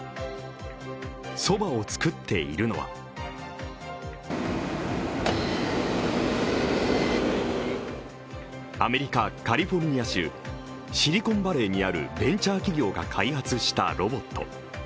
そばを作っているのはアメリカ・カリフォルニア州シリコンバレーにあるベンチャー企業が開発したロボット。